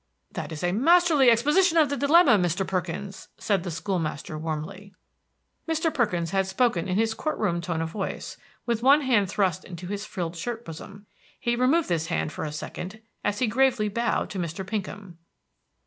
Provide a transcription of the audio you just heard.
"That is a masterly exposition of the dilemma, Mr. Perkins," said the school master warmly. Mr. Perkins had spoken in his court room tone of voice, with one hand thrust into his frilled shirt bosom. He removed this hand for a second, as he gravely bowed to Mr. Pinkham.